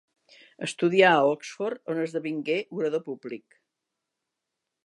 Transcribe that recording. Estudià a Oxford, on esdevingué orador públic.